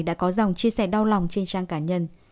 đã có dòng chia sẻ đau lòng trên trang cá nhân